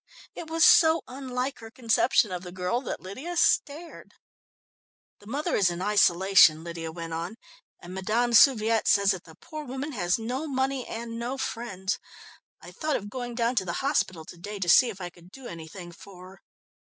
It was so unlike her conception of the girl, that Lydia stared. "The mother is in isolation," Lydia went on, "and Madame Souviet says that the poor woman has no money and no friends. I thought of going down to the hospital to day to see if I could do anything for her."